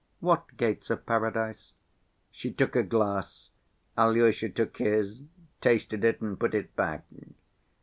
"What gates of paradise?" She took a glass, Alyosha took his, tasted it and put it back.